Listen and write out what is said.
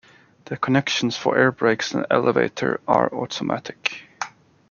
The connections for airbrakes and elevator are automatic.